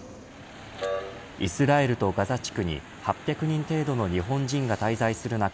イスラエルとガザ地区に８００人程度の日本人が滞在する中